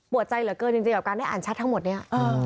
ใจเหลือเกินจริงกับการได้อ่านแชททั้งหมดนี้